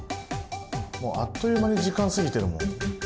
あっという間に時間過ぎてるもん。